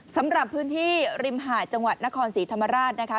สำหรับพื้นที่ริมหาดจังหวัดนครศรีธรรมราชนะคะ